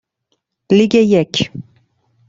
لیگ یک